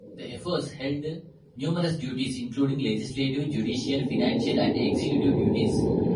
The ephors held numerous duties including legislative, judicial, financial, and executive duties.